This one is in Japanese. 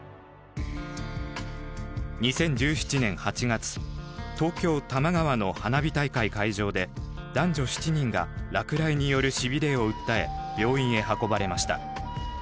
２０１７年８月東京多摩川の花火大会会場で男女７人が落雷によるしびれを訴え病院へ運ばれました。